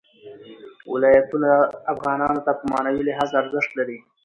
ولایتونه افغانانو ته په معنوي لحاظ ارزښت لري.